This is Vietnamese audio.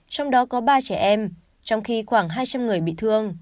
trong đó có ba trẻ em trong khi khoảng hai trăm linh người bị thương